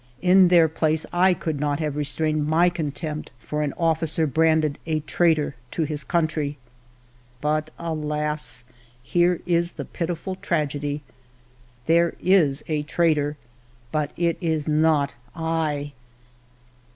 In their place I could not have restrained my contempt for an officer branded a traitor to his country. But, alas ! here is the pitiful tragedy. There is a traitor, but it is not I